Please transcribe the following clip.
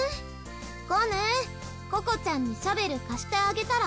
コヌーココちゃんにシャベル貸してあげたら？